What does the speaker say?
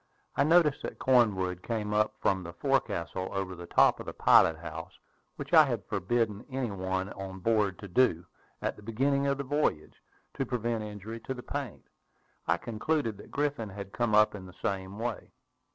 I noticed that Cornwood came up from the forecastle over the top of the pilot house, which I had forbidden any one on board to do, at the beginning of the voyage, to prevent injury to the paint. I concluded that Griffin had come up in the same way.